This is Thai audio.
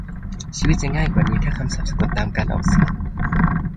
ชีวิตจะง่ายกว่านี้ถ้าคำศัพท์สะกดตามการออกเสียง